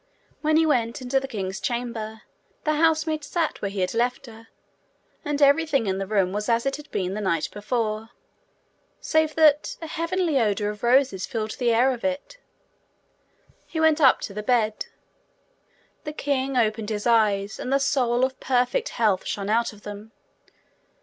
When he went into the king's chamber, the housemaid sat where he had left her, and everything in the room was as it had been the night before, save that a heavenly odour of roses filled the air of it. He went up to the bed. The king opened his eyes, and the soul of perfect health shone out of them.